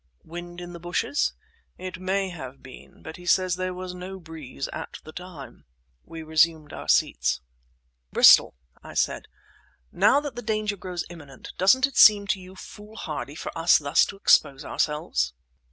"Wind in the bushes?" "It may have been; but he says there was no breeze at the time." We resumed our seats. "Bristol," I said, "now that the danger grows imminent, doesn't it seem to you foolhardy for us thus to expose ourselves?"